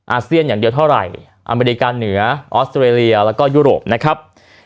เซียนอย่างเดียวเท่าไหร่อเมริกาเหนือออสเตรเลียแล้วก็ยุโรปนะครับ